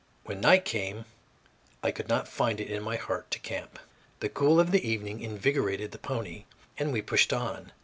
When night came, I could not find it in my heart to camp. The cool of the evening invigorated the pony, and we pushed on.